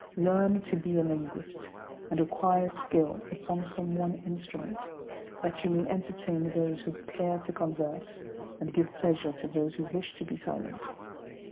Learn to be a linguist, and acquire skill upon some one instrument, that you may entertain those who care to converse, and give pleasure to those who wish to be silent.